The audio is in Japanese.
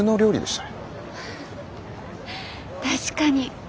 確かに。